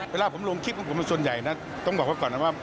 เวลาผมลงคลิปของผมมันส่วนใหญ่นะต้องบอกพี่หม่ำว่า